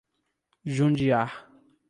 Jundiá